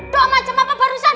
doa macam apa barusan